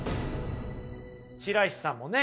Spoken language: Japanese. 白石さんもね